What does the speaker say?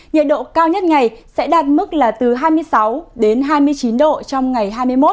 nhiệt độ cao nhất ngày sẽ đạt mức là từ hai mươi sáu đến hai mươi chín độ trong ngày hai mươi một